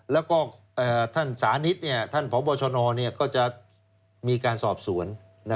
แล้วก็ท่านสานิทท่านพบชนก็จะมีการสอบสวน